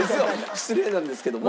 失礼なんですけども。